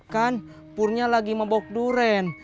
kan purnya lagi membawa durian